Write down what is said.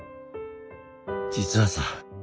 実はさ。